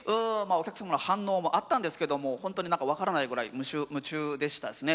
お客様の反応もあったんですけども本当に何か分からないぐらい夢中でしたですね。